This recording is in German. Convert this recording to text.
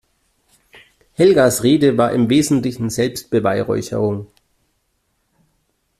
Helgas Rede war im Wesentlichen Selbstbeweihräucherung.